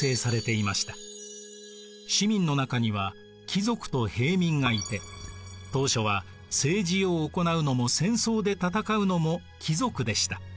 市民の中には貴族と平民がいて当初は政治を行うのも戦争で戦うのも貴族でした。